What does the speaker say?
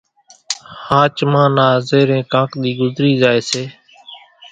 ۿاچمان نا زيرين ڪانڪ ۮِي ڳزري زائي سي